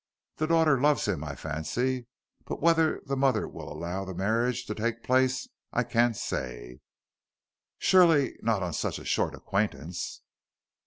The daughter loves him I fancy, but whether the mother will allow the marriage to take place I can't say." "Surely not on such a short acquaintance."